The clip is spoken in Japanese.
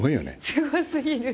すごすぎる！